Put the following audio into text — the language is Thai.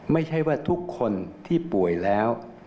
ไม่ใช่ว่าทุกคนที่ป่วยแล้ว